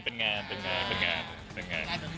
เป็นงาน